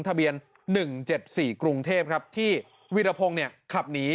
ทะเบียนหนึ่งเจ็ดสี่กรุงเทพครับที่วีรพงธ์เนี่ยขับหนี